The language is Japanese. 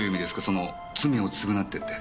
その罪を償ってって。